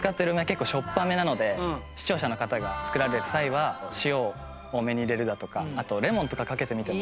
結構しょっぱめなので視聴者の方が作られる際は塩を多めに入れるだとかあとレモンとかかけてみても。